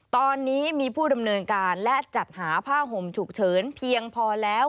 ตอนนี้มีผู้ดำเนินการและจัดหาผ้าห่มฉุกเฉินเพียงพอแล้ว